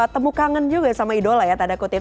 temukangen juga sama idola ya tanda kutip